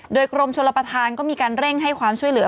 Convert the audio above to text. โดยกรมชลประธานก็มีการเร่งให้ความช่วยเหลือ